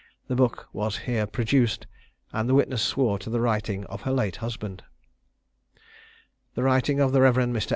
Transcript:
The book was here produced, and the witness swore to the writing of her late husband. The writing of the Rev. Mr.